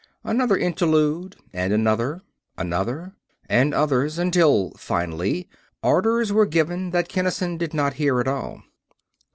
Another interlude, and another. Another. And others. Until finally, orders were given which Kinnison did not hear at all.